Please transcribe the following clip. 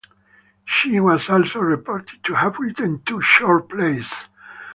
She was also reported to have written two short plays.